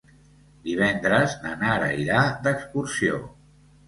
Divendres na Nara irà d'excursió.